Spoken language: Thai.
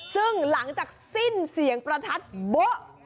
ซึ่งหลังจากสิ้นเสียงประทัดโบ๊ะ